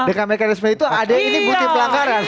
dengan mekanisme itu ada ini bukti pelanggaran